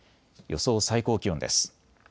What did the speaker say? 予想最高気温です。